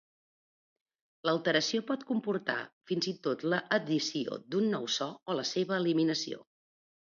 L'alteració pot comportar fins i tot l'addició d'un nou so o la seva eliminació.